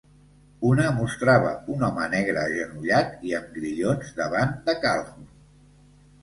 Una mostrava un home negre agenollat i amb grillons davant de Calhoun.